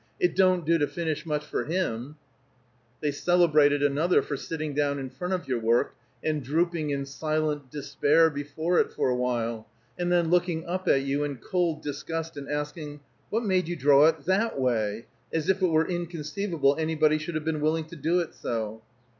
It don't do to finish much for him." They celebrated another for sitting down in front of your work, and drooping in silent despair before it for awhile, and then looking up at you in cold disgust, and asking, "What made you draw it that way?" as if it were inconceivable anybody should have been willing to do it so.